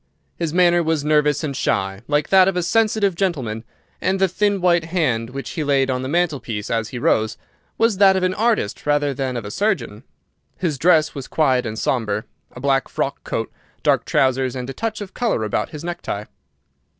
His manner was nervous and shy, like that of a sensitive gentleman, and the thin white hand which he laid on the mantelpiece as he rose was that of an artist rather than of a surgeon. His dress was quiet and sombre—a black frock coat, dark trousers, and a touch of colour about his necktie.